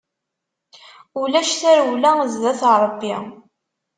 Ulac tarewla zdat Ṛebbi.